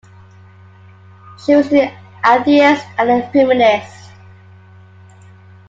She was an atheist and a feminist.